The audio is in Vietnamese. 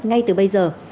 ngay cả nước